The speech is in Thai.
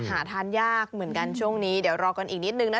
หาทานยากเหมือนกันช่วงนี้เดี๋ยวรอกันอีกนิดนึงนะคะ